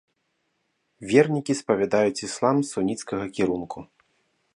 Вернікі спавядаюць іслам суніцкага кірунку.